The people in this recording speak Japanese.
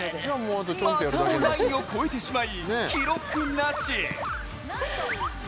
またもラインを越えてしまい記録なし。